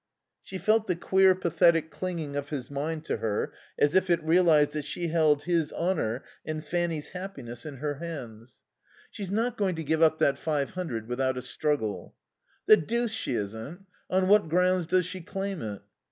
She felt the queer, pathetic clinging of his mind to her as if it realized that she held his honour and Fanny's happiness in her hands. "She's not going to give up that five hundred without a struggle." "The deuce she isn't. On what grounds does she claim it?"